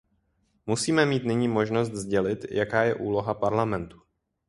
Musíme mít nyní možnost sdělit, jaká je úloha Parlamentu.